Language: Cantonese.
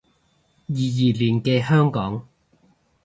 二二年嘅香港